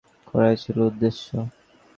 একজন ইউরোপীয়ের সহিত সাক্ষাৎ করাই ছিল উদ্দেশ্য।